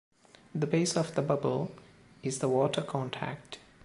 The base of the bubble is the water contact.